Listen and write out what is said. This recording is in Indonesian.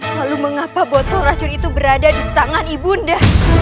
lalu mengapa botol racun itu berada di tangan ibunda